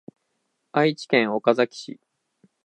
愛知県岡崎市